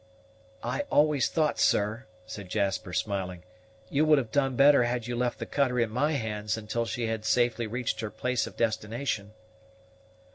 "I always thought, sir," said Jasper, smiling, "you would have done better had you left the cutter in my hands until she had safely reached her place of destination."